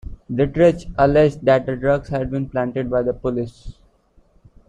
Dietrich alleged that the drugs had been planted by the police.